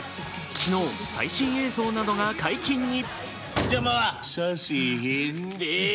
昨日、最新映像などが解禁に。